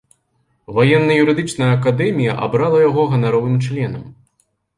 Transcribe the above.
Ваенна-юрыдычная акадэмія абрала яго ганаровым членам.